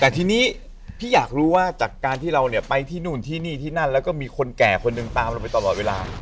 แต่ทีนี้พี่อยากรู้ว่าจากการที่เราเนี่ยไปที่นู่นที่นี่ที่นั่นแล้วก็มีคนแก่คนหนึ่งตามเราไปตลอดเวลา